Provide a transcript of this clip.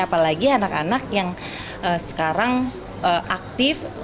apalagi anak anak yang sekarang aktif